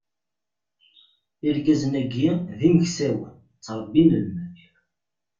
Irgazen-agi d imeksawen, ttṛebbin lmal.